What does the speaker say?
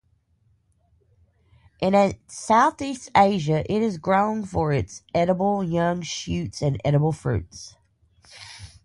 In Southeast Asia, it is grown for its edible young shoots and edible fruits.